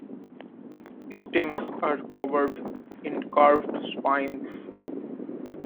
Stems are covered in curved spines.